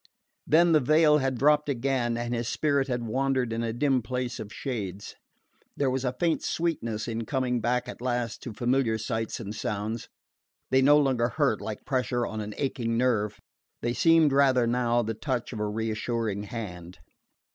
Then the veil had dropped again, and his spirit had wandered in a dim place of shades. There was a faint sweetness in coming back at last to familiar sights and sounds. They no longer hurt like pressure on an aching nerve: they seemed rather, now, the touch of a reassuring hand.